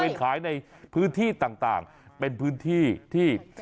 ขายในพื้นที่ต่างเป็นพื้นที่ที่